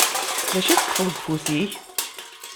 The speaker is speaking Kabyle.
D acu i teṭṭfeḍ deg ufus-ik?